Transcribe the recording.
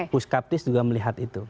puskaptis juga melihat itu